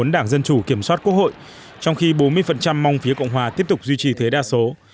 bốn đảng dân chủ kiểm soát quốc hội trong khi bốn mươi mong phía cộng hòa tiếp tục duy trì thế đa số